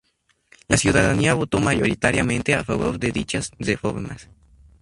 La ciudadanía votó mayoritariamente a favor de dichas reformas.